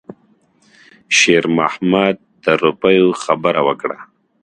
شېرمحمد د روپیو خبره وکړه.